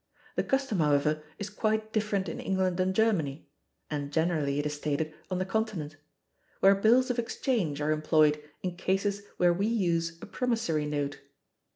The custom, however, is quite different in England and Germany (and generally, it is stated, on the Continent), where bills of exchange are employed in cases where we use a promissory note.